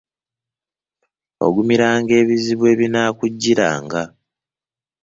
Ogumiranga ebizibu ebinaakujjiranga.